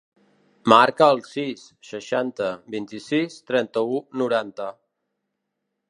Marca el sis, seixanta, vint-i-sis, trenta-u, noranta.